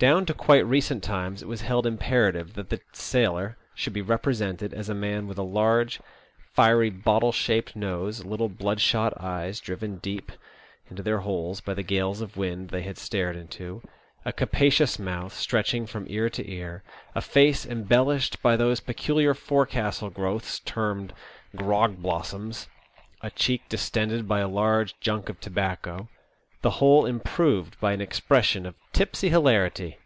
Down to quite recent times it was held imperative that the sailor should be represented as a man with a large, fiery bottle shaped nose, little blood shot eyes, driven deep into their holes by the gales of wind they had stared into, a capacious mouth, stretching from ear to ear, a face embellished 106 THE OLD SEA DOG. by those peculiar forecastle growths termed "grog blossoms/* a cheek distended by a large junk of tobacco, the whole improved by an expression of tipsy hilarity.